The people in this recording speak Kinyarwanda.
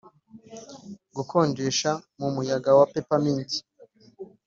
gukonjesha mumuyaga wa peppermint